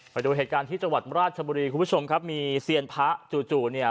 ไปดูเหตุการณ์ที่จังหวัดราชบุรีคุณผู้ชมครับมีเซียนพระจู่จู่เนี่ย